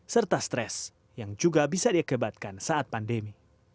serta stres yang juga bisa diakibatkan saat pandemi